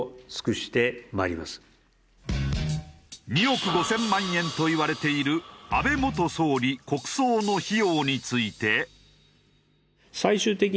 ２億５０００万円といわれている安倍元総理国葬の費用について。